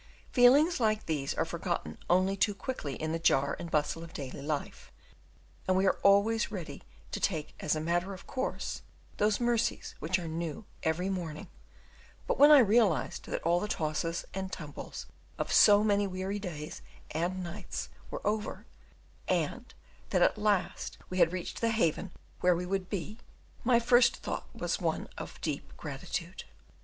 Feelings like these are forgotten only too quickly in the jar and bustle of daily life, and we are always ready to take as a matter of course those mercies which are new every morning; but when I realized that all the tosses and tumbles of so many weary days and nights were over, and that at last we had reached the haven where we would be, my first thought was one of deep gratitude.